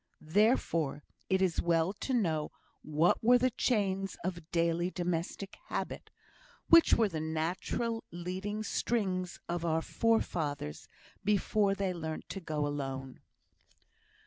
Therefore it is well to know what were the chains of daily domestic habit which were the natural leading strings of our forefathers before they learnt to go alone.